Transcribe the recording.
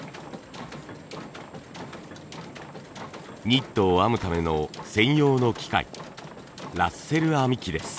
ニットを編むための専用の機械ラッセル編機です。